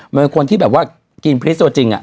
มันเป็นคนที่แบบว่ากินพริษโตจริงอะ